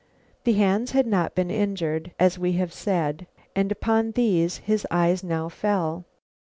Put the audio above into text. The hands had not been injured, as we have said, and upon these his eyes now fell.